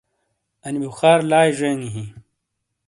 اَنی بخار لائی زینگی ہِیں۔